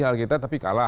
harga kita tapi kalah